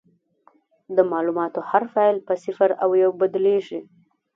د معلوماتو هر فایل په صفر او یو بدلېږي.